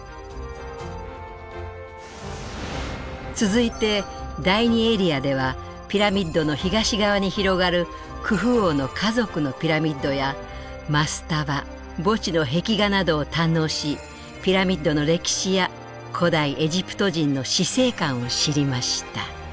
続いて第２エリアではピラミッドの東側に広がるクフ王の家族のピラミッドやマスタバ墓地の壁画などを堪能しピラミッドの歴史や古代エジプト人の死生観を知りました。